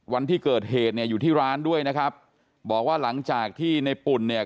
วันที่เกิดเหตุเนี่ยอยู่ที่ร้านด้วยนะครับบอกว่าหลังจากที่ในปุ่นเนี่ย